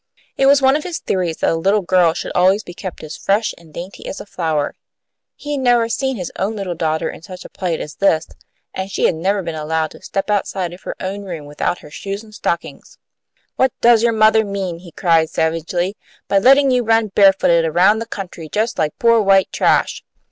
It was one of his theories that a little girl should always be kept as fresh and dainty as a flower. He had never seen his own little daughter in such a plight as this, and she had never been allowed to step outside of her own room without her shoes and stockings. "What does your mother mean," he cried, savagely, "by letting you run barefooted around the country just like poor white trash?